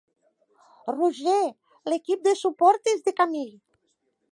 Roger, l'equip de suport és de camí.